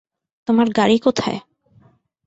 তোমার গাড়ি কোথায়?